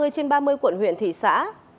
ba mươi trên ba mươi quận huyện thị xã